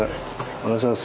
お願いします。